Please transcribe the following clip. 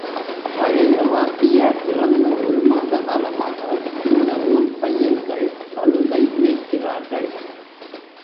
பழைய வாத்தியார் இறந்த ஒரு மாத காலமாக, இந்த ஊர்ப் பையன்கள் கழுதை மேய்க்கிறார்கள்.